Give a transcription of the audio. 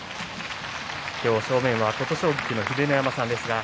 正面は琴奨菊の秀ノ山さんです。